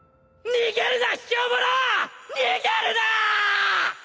逃げるな！